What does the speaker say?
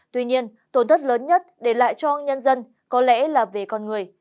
tuy nhiên tổn thất lớn nhất để lại cho nhân dân có lẽ là về con người